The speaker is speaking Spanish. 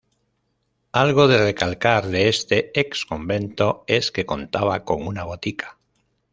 Algo de recalcar de este ex convento, es que contaba con una botica.